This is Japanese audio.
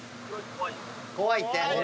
怖いって。